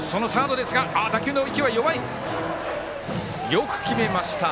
よく決めました。